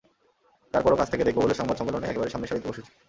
তার পরও কাছ থেকে দেখব বলে সংবাদ সম্মেলনে একেবারে সামনের সারিতে বসেছি।